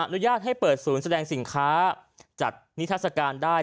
อนุญาตให้เปิดศูนย์แสดงสินค้าจัดนิทัศกาลได้